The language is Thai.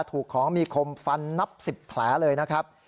ถูกของมีคมฟันนับ๑๐แผลเลยนะครับ